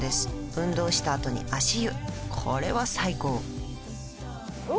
運動したあとに足湯これは最高お！